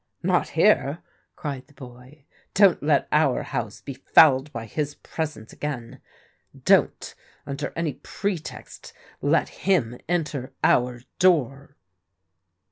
"Not here!" cried the boy. "Don't let our house be fouled by his presence again! Don't, under any pretext, let him enter our door